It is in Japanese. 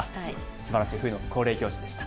すばらしい、冬の恒例行事でした。